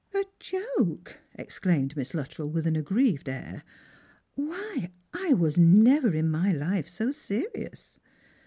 "A joke!" exclaimed Miss Luttrell with an aggrieved air, " why, I was never in my life so serious.